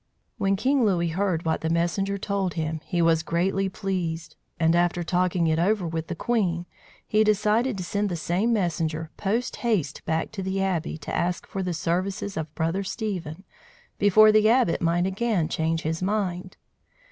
When King Louis heard what the messenger told him, he was greatly pleased; and after talking it over with the queen, he decided to send the same messenger post haste back to the Abbey to ask for the services of Brother Stephen before the Abbot might again change his mind.